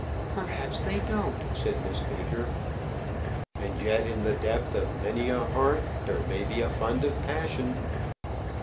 "Perhaps they don't," said Miss Baker. "And yet in the depth of many a heart there may be a fund of passion."